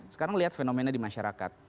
sekarang lihat fenomena di masyarakat